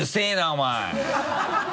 お前。